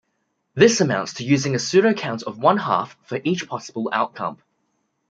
This amounts to using a pseudocount of one half for each possible outcome.